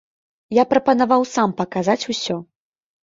Я прапанаваў сам паказаць усё.